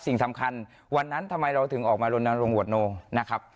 สิ่งสำคัญวันนั้นทำไมเราถึงออกมาลนลงหวดโนนะครับ